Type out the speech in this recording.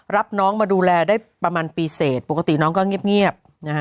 รับน้องมาดูแลได้ประมาณปีเสร็จปกติน้องก็เงียบนะฮะ